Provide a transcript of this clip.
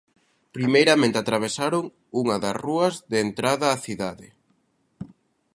Primeiramente atravesaron unha das rúas de entrada á cidade.